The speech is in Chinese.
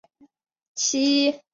七十五年台大聘为荣誉教授。